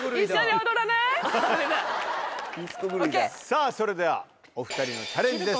さぁそれではお２人のチャレンジです。